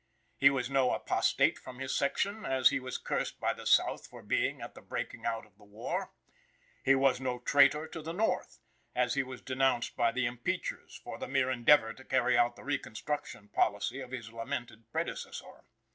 He was no apostate from his section, as he was cursed by the South for being at the breaking out of the war. He was no traitor to the North, as he was denounced by the impeachers for the mere endeavor to carry out the reconstruction policy of his lamented predecessor.